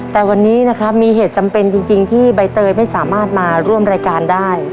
แต่วันนี้นะครับมีเหตุจำเป็นจริงที่ใบเตยไม่สามารถมาร่วมรายการได้